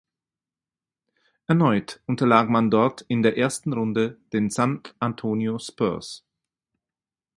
Erneut unterlag man dort in der ersten Runde den San Antonio Spurs.